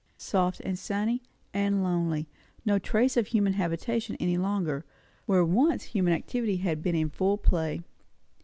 Soft, and sunny, and lonely; no trace of human habitation any longer, where once human activity had been in full play.